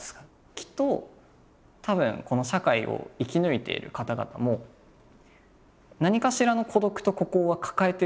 きっとたぶんこの社会を生き抜いている方々も何かしらの孤独と孤高は抱えてるはずだなって思うんですよ。